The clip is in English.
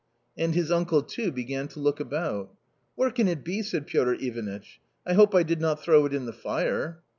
And his uncle too began to look about. " Where can it be ?" said Piotr Ivanitch, " I hope I did not throw it in the fire."